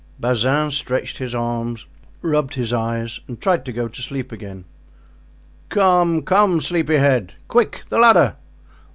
Bazin stretched his arms, rubbed his eyes, and tried to go to sleep again. "Come, come, sleepy head; quick, the ladder!"